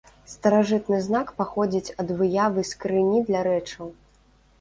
Старажытны знак паходзіць ад выявы скрыні для рэчаў.